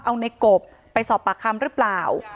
เอาในกบไปสอบปากคำหรือเปล่า